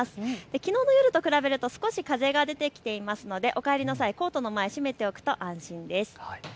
きのうの夜と比べて少し風が出てきていますのでお帰りの際、コートの前、閉めておくと安心です。